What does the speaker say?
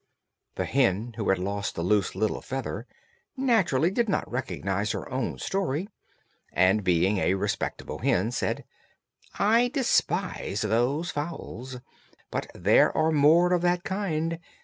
The hen who had lost the loose little feather naturally did not recognise her own story, and being a respectable hen, said: "I despise those fowls; but there are more of that kind.